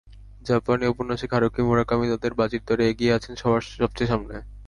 জাপানি ঔপন্যাসিক Haruki Murakami তাদের বাজির দরে এগিয়ে আছেন সবচেয়ে সামনে।